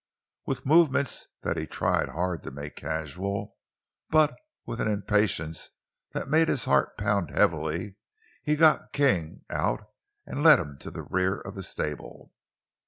With movements that he tried hard to make casual, but with an impatience that made his heart pound heavily, he got King out and led him to the rear of the stable.